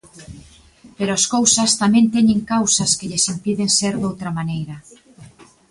_Pero as cousas tamén teñen causas que lles impiden ser doutra maneira...